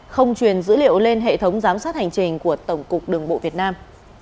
không truyền dữ liệu lên hệ thống giám sát hành trình của tổng cục đường bộ việt nam